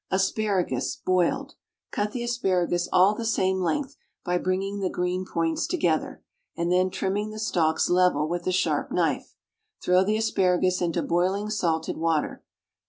ASPARAGUS, BOILED. Cut the asparagus all the same length by bringing the green points together, and then trimming the stalks level with a sharp knife. Throw the asparagus into boiling salted water.